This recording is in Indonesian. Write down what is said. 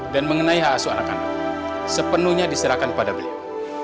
dan mengenai hasil anak anak sepenuhnya diserahkan pada beliau